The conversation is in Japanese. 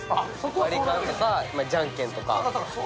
割り勘とかじゃんけんとか。